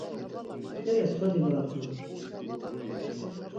Bere so dibadu?